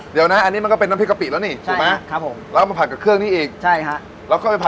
เดี๋ยวนะอันนี้มันก็เป็นน้ำพริกกะปิแล้วนี่ถูกไหม